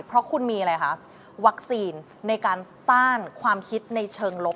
เพราะคุณมีอะไรคะวัคซีนในการต้านความคิดในเชิงลบ